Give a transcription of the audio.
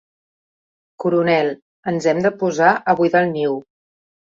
Coronel, ens hem de posar a buidar el niu.